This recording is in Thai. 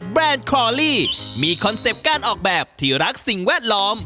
แรนด์คอลลี่มีคอนเซ็ปต์การออกแบบที่รักสิ่งแวดล้อม